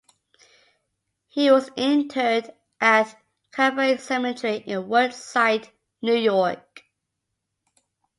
He was interred at Calvary Cemetery in Woodside, New York.